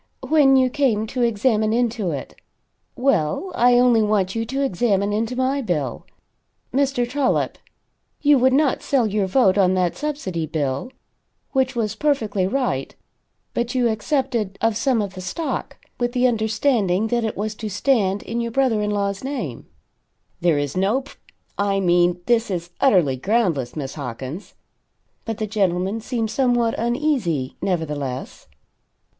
When you came to examine into it. Well, I only want you to examine into my bill. Mr. Trollop, you would not sell your vote on that subsidy bill which was perfectly right but you accepted of some of the stock, with the understanding that it was to stand in your brother in law's name." "There is no pr I mean, this is, utterly groundless, Miss Hawkins." But the gentleman seemed somewhat uneasy, nevertheless.